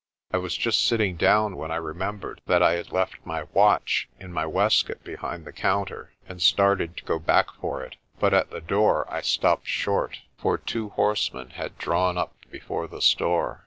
I was just sitting down when I remembered that I had left my watch in my waistcoat behind the counter, and started to go back for it. But at the door I stopped short. For two horsemen had drawn up before the store.